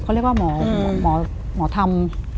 เขาเรียกว่าหมอธรรม